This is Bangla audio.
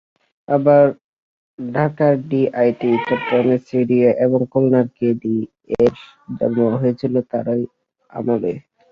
আবার ঢাকার ডিআইটি, চট্টগ্রামের সিডিএ এবং খুলনার কেডিএর জন্মও হয়েছিল তাঁরই আমলে।